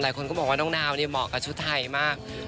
หลายคนก็บอกว่าน้องนาวเนี่ยเหมาะกับชุดไทยมาก